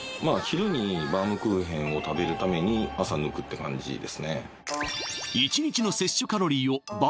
昼にバウムクーヘンを食べるために朝抜くって感じですね